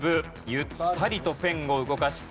ゆったりとペンを動かして。